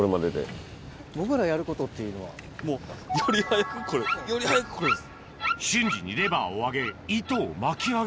もうより早くこれより早くこれです。